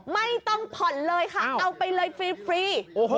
ไม่ต้องผ่อนเลยค่ะเอาไปเลยฟรี